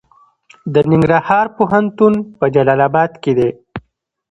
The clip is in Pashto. د ننګرهار پوهنتون په جلال اباد کې دی